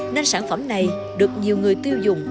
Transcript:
nên sản phẩm này được nhiều người tiêu dùng